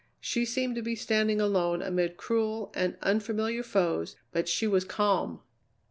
She seemed to be standing alone amid cruel and unfamiliar foes, but she was calm!